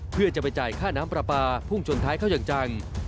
เพื่อจะไปจ่ายค่าน้ำปลาปลาพุ่งชนท้ายเข้าอย่างจัง